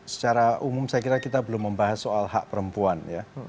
secara umum saya kira kita belum membahas soal hak perempuan ya